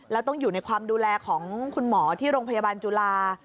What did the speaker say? แล้วต้องอยู่ในความดูแลของคุณหมอที่โรงพยาบาลจุฬา